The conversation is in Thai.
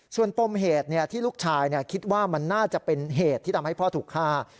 ส่วนปมเหตุที่ลูกชายคิดว่ามันน่าจะเป็นเหตุที่ทำให้พ่อถูกฆ่า